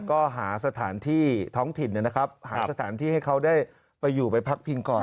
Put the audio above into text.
ก็หาสถานที่ท้องถิ่นนะครับหาสถานที่ให้เขาได้ไปอยู่ไปพักพิงก่อน